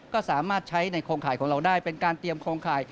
ก็สามารถใช้ในโครงข่ายของเราได้เป็นการเตรียมโครงข่าย